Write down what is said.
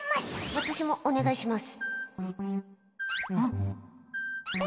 私もお願いします。